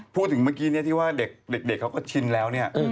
พูดถึงเมื่อกี้ว่าเด็กเขาก็ชินแล้ว